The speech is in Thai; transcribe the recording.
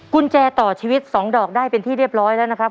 กุญแจต่อชีวิต๒ดอกได้เป็นที่เรียบร้อยแล้วนะครับ